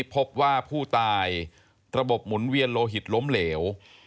พบว่าผู้ตายระบบหมุนเวียนโลหิตล้มเหลว